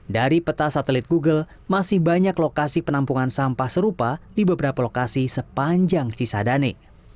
dari peta satelit google masih banyak lokasi penampungan sampah serupa di beberapa lokasi sepanjang cisadane